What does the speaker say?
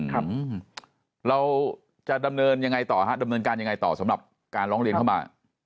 ครับเราจะดำเนินยังไงต่อฮะดำเนินการยังไงต่อสำหรับการร้องเรียนเข้ามา